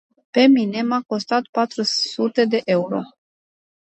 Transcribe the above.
Pe mine m-a costat patru sute de euro.